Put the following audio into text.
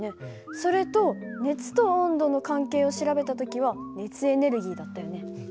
それと熱と温度の関係を調べた時は熱エネルギーだったよね。